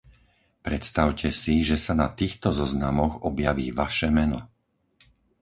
Predstavte si, že sa na takýchto zoznamoch objaví vaše meno.